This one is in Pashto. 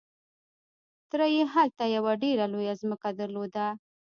تره يې هلته يوه ډېره لويه ځمکه درلوده.